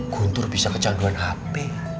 guntur bisa ke janduan hp